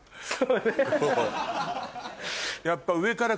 やっぱ。